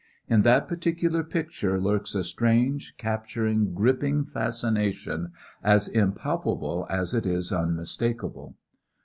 In that particular picture lurks a strange, capturing, gripping fascination as impalpable as it is unmistakable.